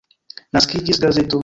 Naskiĝis gazeto.